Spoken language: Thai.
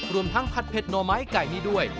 รวมทั้งผัดเผ็ดโนไมไกห์นี่ด้วย